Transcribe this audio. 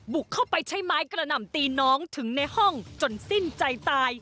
บุกเข้าไปใช้ไม้กระหน่ำตีน้องถึงในห้องจนสิ้นใจตาย